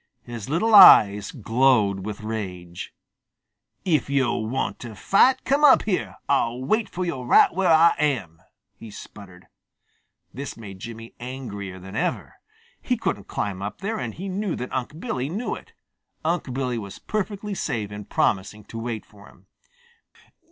His little eyes glowed with rage. "If yo' want to fight, come up here. I'll wait fo' yo' right where Ah am," he sputtered. This made Jimmy angrier than ever. He couldn't climb up there, and he knew that Unc' Billy knew it. Unc' Billy was perfectly safe in promising to wait for him.